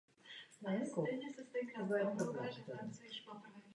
V dalším studiu pokračoval na Akademii výtvarných umění v Drážďanech.